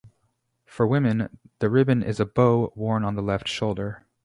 For women, the ribbon is a bow worn on the left shoulder.